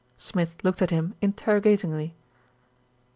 Smith looked at him interrogat ingly.